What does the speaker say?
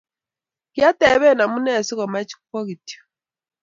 Kiatepe amune si komach kowa kityo